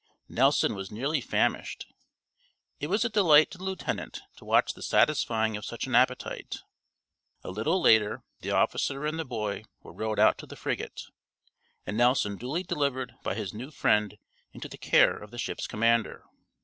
Nelson was nearly famished; it was a delight to the lieutenant to watch the satisfying of such an appetite. A little later the officer and the boy were rowed out to the frigate, and Nelson duly delivered by his new friend into the care of the ship's commander.